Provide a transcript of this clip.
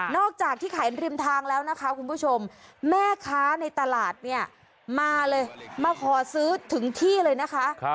จากที่ขายริมทางแล้วนะคะคุณผู้ชมแม่ค้าในตลาดเนี่ยมาเลยมาขอซื้อถึงที่เลยนะคะ